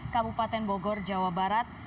kabupaten bogor jawa barat